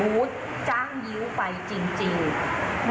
บู๊ดจ้างยิ้วไปจริง